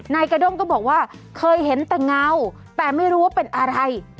นายกระด้งก็บอกว่าเคยเห็นแต่เงาแต่ไม่รู้ว่าเป็นอะไร